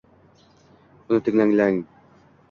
Uni tinglaganlar: